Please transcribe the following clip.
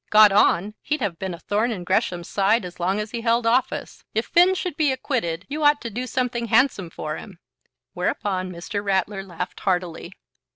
"Got on! He'd have been a thorn in Gresham's side as long as he held office. If Finn should be acquitted, you ought to do something handsome for him." Whereupon Mr. Ratler laughed heartily.